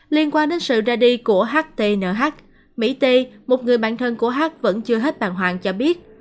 liên quan đến sự ra đi của htnh mỹ t một người bạn thân của h vẫn chưa hết bàng hoàng cho biết